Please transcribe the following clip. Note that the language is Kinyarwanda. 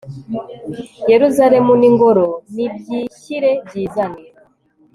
yeruzalemu n'ingoro nibyishyire byizane